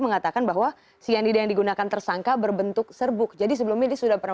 mengatakan bahwa cyanida yang digunakan tersangka berbentuk serbuk jadi sebelumnya dia sudah pernah